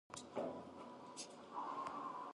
سوداګر د اقتصاد ستني دي.